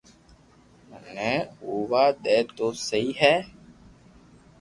مني ھووا دئي تو سھي ھي